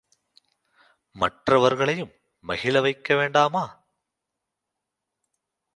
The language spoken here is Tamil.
மற்றவர்களையும் மகிழவைக்க வேண்டாமா?